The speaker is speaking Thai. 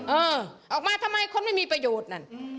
เออออกมาทำไมคนไม่มีประโยชน์นั่น